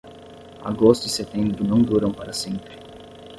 Agosto e setembro não duram para sempre.